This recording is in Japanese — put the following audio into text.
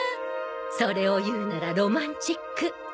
それを言うならロマンチック。